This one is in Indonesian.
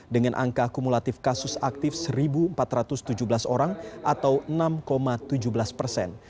dengan angka kumulatif kasus aktif satu empat ratus tujuh belas orang atau enam tujuh belas persen